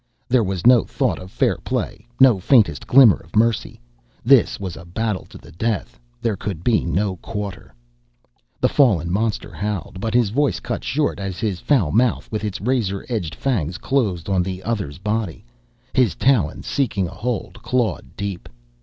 There was no thought of fair play, no faintest glimmer of mercy. This was a battle to the death: there could be no quarter. The fallen monster howled, but his voice cut short as his foul mouth, with its razor edged fangs, closed on the other's body. His talons, seeking a hold, clawed deep.